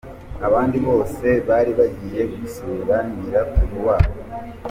Abandi bose bari bagiye gusura nyirakuru wabo.